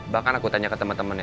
bahkan aku tanya ke temen temennya